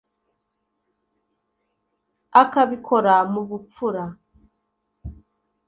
akabikora mu bupfura